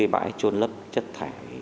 bãi trôn lớp chất thải